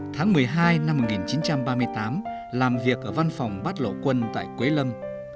tháng một mươi hai năm một nghìn chín trăm ba mươi tám làm việc ở văn phòng bát lộ quân tại quế lâm